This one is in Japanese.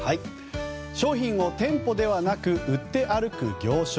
商品を店舗ではなく売って歩く行商。